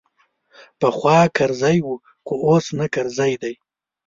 پخوا کرزی وو خو اوس نه کرزی دی.